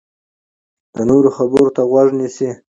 د نورو خبرو ته غوږ نه نیسي.